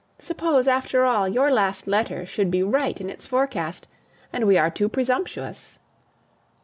Suppose, after all, your last letter should be right in its forecast, and we are too presumptuous!